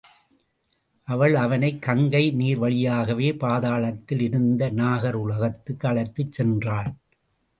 அவள் அவனைக் கங்கை நீர் வழியாகவே பாதளத்தில் இருந்த நாகர் உலகத்துக்கு அழைத்துச் சென்றாள்.